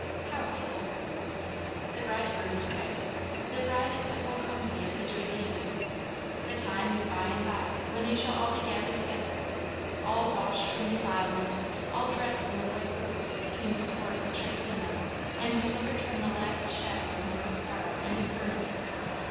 "How, Basil?" "The Bridegroom is Christ. The bride is the whole company of his redeemed. The time is by and by, when they shall be all gathered together, all washed from defilement, all dressed in the white robes of the king's court which are given them, and delivered from the last shadow of mortal sorrow and infirmity.